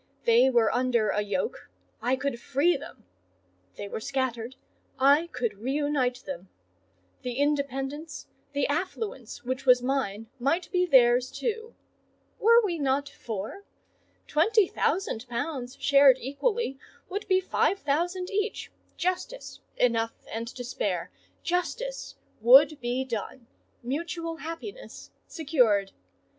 They were under a yoke,—I could free them: they were scattered,—I could reunite them: the independence, the affluence which was mine, might be theirs too. Were we not four? Twenty thousand pounds shared equally would be five thousand each, justice—enough and to spare: justice would be done,—mutual happiness secured.